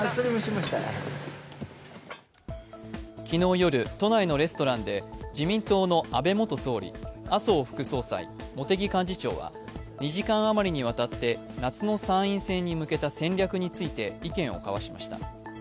昨日夜、都内のレストランで自民党の安倍元総理、麻生副総裁、茂木幹事長は２時間余りにわたって夏の参院選に向けた戦略について意見を交わしました。